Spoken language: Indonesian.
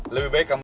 lebih baik kamu